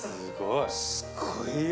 すごいよ！